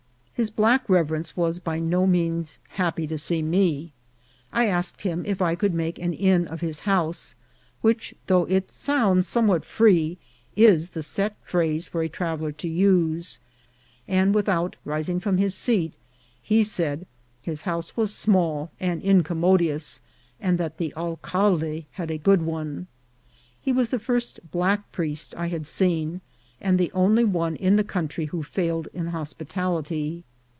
His black reverence was by no means happy to see me. I asked him if I could make an inn of his house, which, though it sounds somewhat free, is the set phrase for a traveller to use ; and, without rising from his seat, he said his house was small and in commodious, and that the alcalde had a good one. He was the first black priest I had seen, and the only one in the country who failed in hospitality.